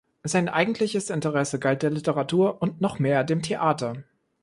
Sein eigentliches Interesse galt der Literatur und noch mehr dem Theater.